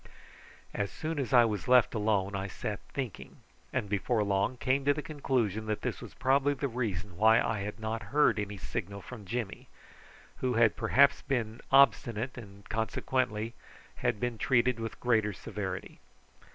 As soon as I was left alone I sat thinking, and before long came to the conclusion that this was probably the reason why I had not heard any signal from Jimmy, who had perhaps been obstinate, and consequently had been treated with greater severity.